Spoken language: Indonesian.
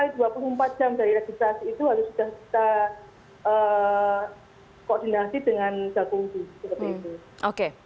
dan satu kali dua puluh empat jam dari registrasi itu harus kita koordinasi dengan jakungju